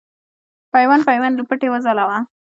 پیوند پیوند لوپټې وځلوه